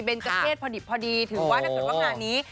เป็นเกษตรพอดี